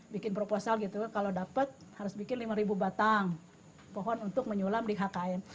bikin proposal gitu kalau dapat harus bikin lima batang pohon untuk menyulam di hkm